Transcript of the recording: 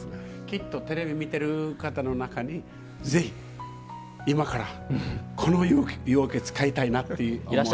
きっとテレビ見てる方の中にぜひ今からこの湯桶使いたいなって思う人が。